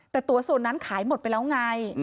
แต่ตัวส่วนนั้นขายหมดไปแล้วไง